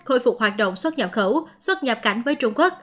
khôi phục hoạt động xuất nhập khẩu xuất nhập cảnh với trung quốc